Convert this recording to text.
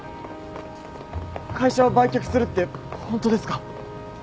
会社を売却するってホントですか？